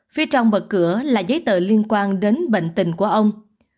phía trong vật cửa là giấy tờ liên quan đến bệnh tình của ông